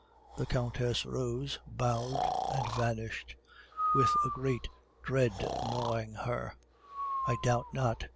"The Countess rose, bowed, and vanished, with a great dread gnawing her, I doubt not.